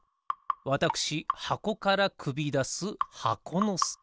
わたくしはこからくびだす箱のすけ。